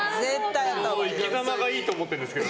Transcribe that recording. その生きざまがいいと思ってんですけど。